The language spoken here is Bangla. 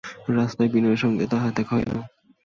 রাস্তায় বিনয়ের সঙ্গে তাহার দেখা হইল।